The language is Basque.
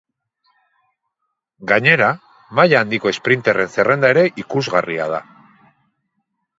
Gainera, maila handiko esprinterren zerrenda ere ikusgarria da.